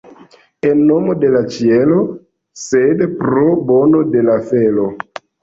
En nomo de la ĉielo, sed pro bono de la felo.